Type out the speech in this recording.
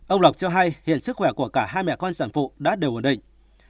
ông lộc cho hay hiện sức khỏe của cả hai mẹ con sản phụ đã đều ổn định